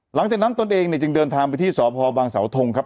หลังจากนั้นตนเองจึงเดินทางไปที่สพบางสาวทงครับ